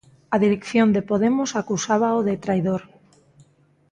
A dirección de Podemos acusábao de traidor.